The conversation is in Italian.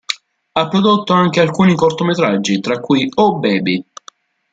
Ha prodotto anche alcuni cortometraggi, tra cui "Oh Baby!